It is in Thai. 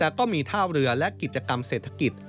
แล้วก็มีท่าเรือและกิจกรรมเศรษฐกิจ